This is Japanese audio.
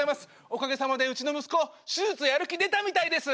おかげさまでうちの息子手術やる気出たみたいです！